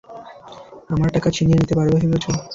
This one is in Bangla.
আমার টাকা ছিনিয়ে নিতে পারবে ভেবেছ?